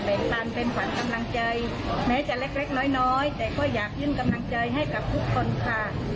แม้จะเล็กน้อยแต่ก็อยากยื่นกำลังใจให้กับทุกคนค่ะ